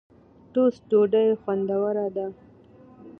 ټوسټ ډوډۍ خوندوره ده.